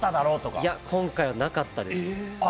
いや今回はなかったです。